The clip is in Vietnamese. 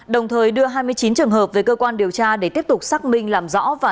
đồng thời đưa hai mươi chín trường hợp về cơ quan điều tra để tiếp tục xác minh làm rõ và xử lý theo quy định